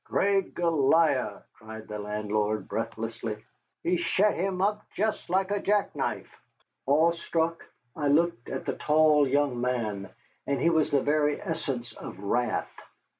"Great Goliah!" cried the landlord, breathlessly, "he shet him up jest like a jack knife." Awe struck, I looked at the tall young man, and he was the very essence of wrath.